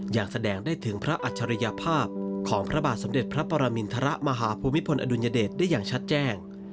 ยังแสดงได้ถึงพระอัจฉริยภาพของพระบาทสมเด็จพระปรมินทรมาหาภูมิพลอดุลยเดชได้อย่างชัดแจ้ง